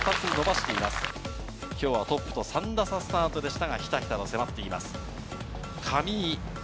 きょうはトップと３打差スタートでしたが、ひたひたと迫っています。